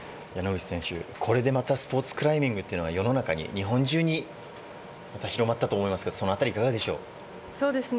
これでまたスポーツクライミングというのが、世の中に日本中に広まったと思いますが、いかがでしょう？